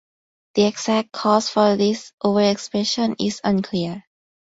The exact cause for this overexpression is unclear.